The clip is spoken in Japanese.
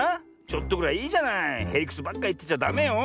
ちょっとぐらいいいじゃない？へりくつばっかいってちゃダメよ。